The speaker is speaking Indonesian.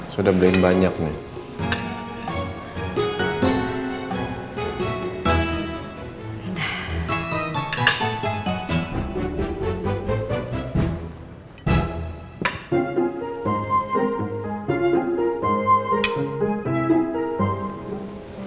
saya udah beliin banyak nih